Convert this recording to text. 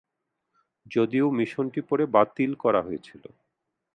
যদিও মিশনটি পরে বাতিল করা হয়েছিল।